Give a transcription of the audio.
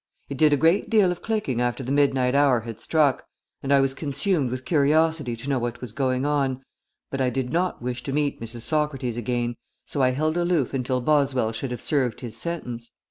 It did a great deal of clicking after the midnight hour had struck, and I was consumed with curiosity to know what was going on, but I did not wish to meet Mrs. Socrates again, so I held aloof until Boswell should have served his sentence.